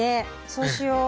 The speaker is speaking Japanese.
そうしよう。